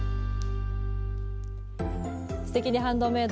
「すてきにハンドメイド」